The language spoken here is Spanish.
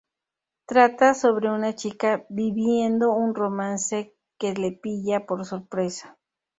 Trata sobre una chica viviendo un romance que le pilla por sorpresa.